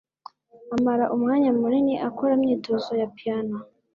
Amara umwanya munini akora imyitozo ya piyano.